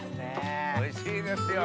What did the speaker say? おいしいですよ。